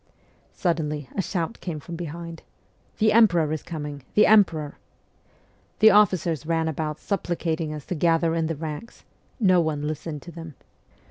Suddenly a shout came from behind :' The emperor is coming ! The emperor !' The officers ran about supplicating us to gather in the ranks : no one listened to them.